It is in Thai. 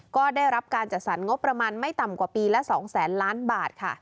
ก็ได้รับการจัดสรรงบประมาณไม่ต่ำกว่าปีละ๒แสนล้านบาทค่ะ